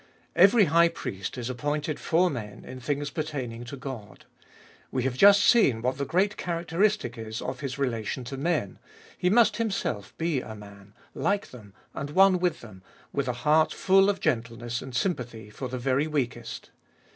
Every high priest is appointed for men in things pertaining to God. We have just seen what the great characteristic is of his relation to men : he must himself be a man, like them and one with them, with a heart full of gentleness and sympathy for the very weakest.